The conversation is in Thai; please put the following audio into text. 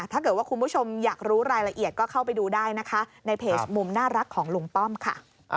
ถ้าเกิดว่าคุณผู้ชมอยากรู้รายละเอียดก็เข้าไปดูได้นะคะในเพจมุมน่ารักของลุงป้อมค่ะ